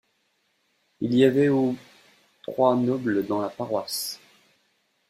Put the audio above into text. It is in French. Il y avait au trois nobles dans la paroisse.